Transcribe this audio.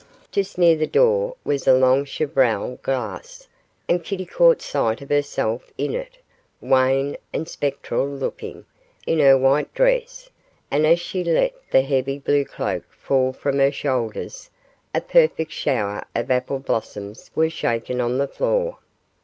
Just near the door was a long chevral glass, and Kitty caught sight of herself in it, wan and spectral looking, in her white dress, and, as she let the heavy blue cloak fall from her shoulders, a perfect shower of apple blossoms were shaken on to the floor.